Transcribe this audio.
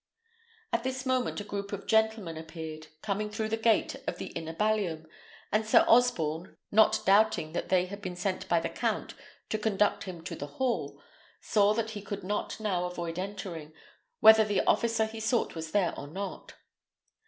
At this moment a group of gentlemen appeared, coming through the gate of the inner ballium, and Sir Osborne, not doubting that they had been sent by the count to conduct him to the hall, saw that he could not now avoid entering, whether the officer he sought was there or not.